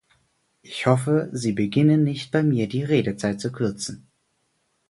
Ich hoffe, Sie beginnen nicht bei mir, die Redezeit zu kürzen.